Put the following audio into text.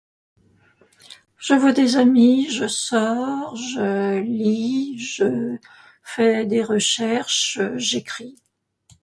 Je vois des amis, je sors, je lis, je fais des recherches, j'écris.